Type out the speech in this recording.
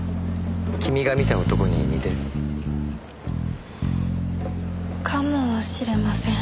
君が見た男に似てる？かもしれません。